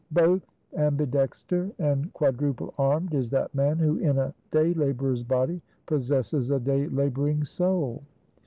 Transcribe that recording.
Both ambidexter and quadruple armed is that man, who in a day laborer's body, possesses a day laboring soul.